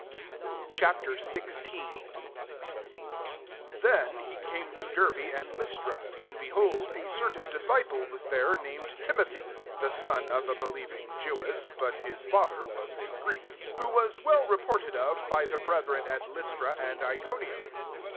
Ch. XVI. I Then he came to Derb^ and Lystra. And be hold, a certain disciple was there, named Timothy, (the son of a believing Jewess, but his father was a Greek:) 2 who was well reported of by the brethren atLystraandlconium.